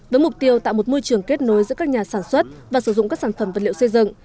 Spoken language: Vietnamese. với mục tiêu tạo một môi trường kết nối giữa các nhà sản xuất và sử dụng các sản phẩm vật liệu xây dựng